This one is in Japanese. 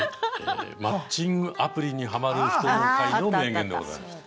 「マッチングアプリにハマる人」の回の名言でございました。